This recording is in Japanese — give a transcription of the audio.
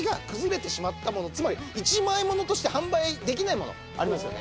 つまり１枚ものとして販売できないものありますよね。